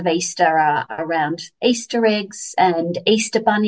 di sekitar easter egg dan easter bunny